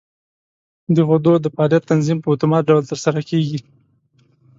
د غدو د فعالیت تنظیم په اتومات ډول تر سره کېږي.